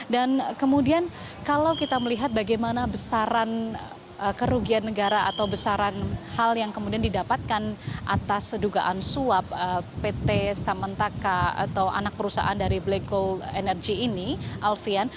dan kemudian kalau kita melihat bagaimana besaran kerugian negara atau besaran hal yang kemudian didapatkan atas sedugaan suap pt samantaka atau anak perusahaan dari black gold energy ini alvian